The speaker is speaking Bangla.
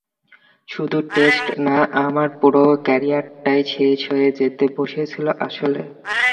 শুধু টেস্ট না, আমার পুরো ক্যারিয়ারটাই শেষ হয়ে যেতে বসেছিল আসলে।